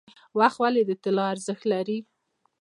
وخت ولې د طلا ارزښت لري؟